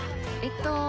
えっと。